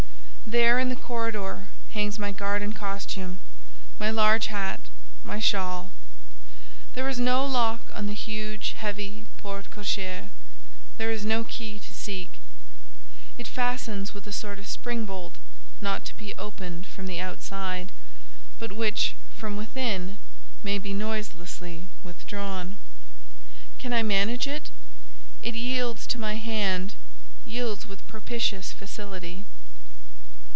There, in the corridor, hangs my garden costume, my large hat, my shawl. There is no lock on the huge, heavy, porte cochère; there is no key to seek: it fastens with a sort of spring bolt, not to be opened from the outside, but which, from within, may be noiselessly withdrawn. Can I manage it? It yields to my hand, yields with propitious facility.